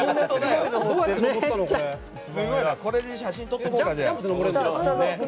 これで写真撮っとこうか。